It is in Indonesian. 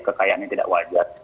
kekayaannya tidak wajar